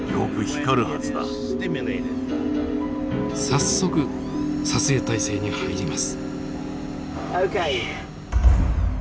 早速撮影態勢に入ります。